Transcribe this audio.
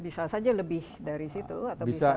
bisa saja lebih dari situ atau bisa